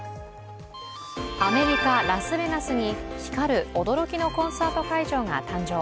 アメリカ・ラスベガスに光る驚きのコンサート会場が誕生。